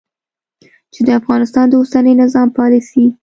چې د افغانستان د اوسني نظام پالیسي